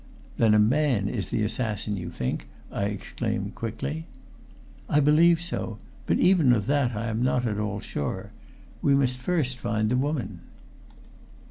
"Then a man is the assassin, you think?" I exclaimed quickly. "I believe so. But even of that I am not at all sure. We must first find the woman."